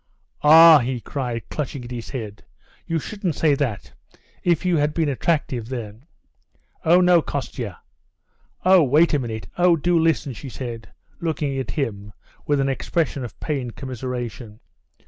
"Ah!" he cried, clutching at his head, "you shouldn't say that!... If you had been attractive then...." "Oh, no, Kostya, oh, wait a minute, oh, do listen!" she said, looking at him with an expression of pained commiseration.